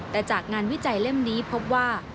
แต่จากงานวิจัยเล่มนี้พบว่า